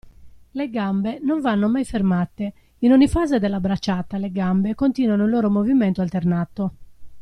Le gambe non vanno mai fermate, in ogni fase della bracciata le gambe continuano il loro movimento alternato.